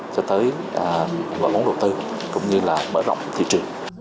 cho tới gọi vốn đầu tư cũng như là mở rộng thị trường